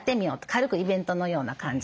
軽くイベントのような感じで。